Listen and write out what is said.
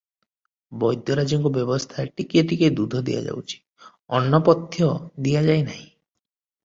ବୈଦ୍ୟରାଜଙ୍କ ବ୍ୟବସ୍ଥା ଟିକିଏ ଟିକିଏ ଦୁଧ ଦିଆ ଯାଉଛି, ଅନ୍ନ ପଥ୍ୟ ଦିଆଯାଇ ନାହିଁ ।